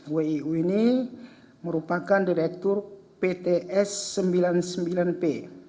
wiu ini merupakan direktur pts sembilan puluh sembilan p